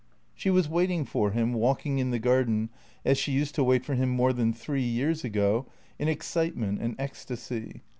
She was waiting for him, walking in the garden, as she used to wait for him more than three years ago, in excitement and ecstasy.